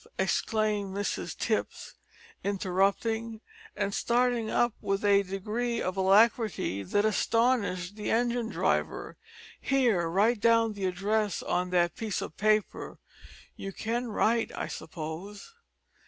exclaimed Mrs Tipps, interrupting, and starting up with a degree of alacrity that astonished the engine driver. "Here, write down the address on that piece of paper you can write, I suppose?"